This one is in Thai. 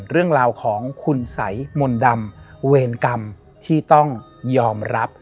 เรื่องราวของคุณสัยมนต์ดำเวรกรรมที่ต้องยอมรับ